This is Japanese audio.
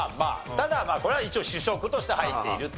ただこれは一応主食として入っていると。